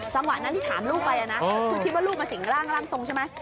จังหวะนั้นที่ถามลูกไปนะคือคิดว่าลูกมาสิงร่างทรงใช่ไหม